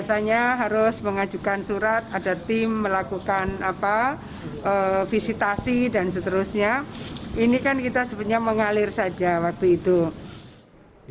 jaya suprana mengaku terhormat karena dapat menyerahkan dua rekor termasuk untuk tingkat dunia kepada gubernur jawa timur